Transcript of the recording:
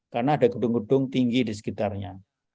karena ada gedung gedung tinggi di sekitarnya